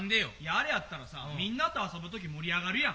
あれあったらさみんなと遊ぶ時盛り上がるやん。